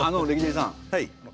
はい。